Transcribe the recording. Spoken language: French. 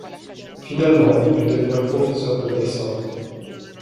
Finalement, il devient professeur de dessin.